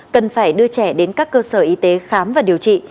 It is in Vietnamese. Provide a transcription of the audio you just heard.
cần phải đưa trẻ đến các cơ sở y tế khám và điều trị